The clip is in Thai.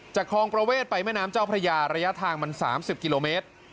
คลองประเวทไปแม่น้ำเจ้าพระยาระยะทางมัน๓๐กิโลเมตร